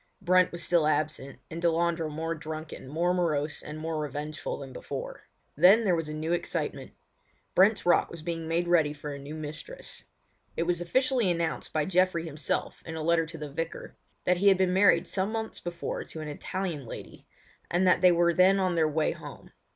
Brent was still absent, and Delandre more drunken, more morose, and more revengeful than before. Then there was a new excitement. Brent's Rock was being made ready for a new mistress. It was officially announced by Geoffrey himself in a letter to the Vicar, that he had been married some months before to an Italian lady, and that they were then on their way home.